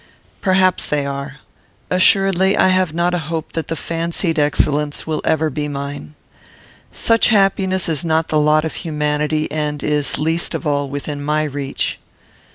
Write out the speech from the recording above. "Perhaps they are. Assuredly, I have not a hope that the fancied excellence will ever be mine. Such happiness is not the lot of humanity, and is, least of all, within my reach."